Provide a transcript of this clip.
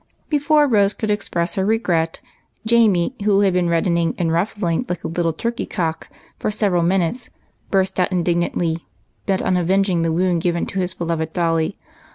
Before Rose could express her regret, Jamie, who had been reddening and ruffling like a little turkey cock for several minutes, burst out indignantly, bent on avenging the wound given to his beloved dolly.